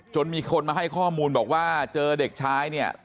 มีคนมาให้ข้อมูลบอกว่าเจอเด็กชายเนี่ย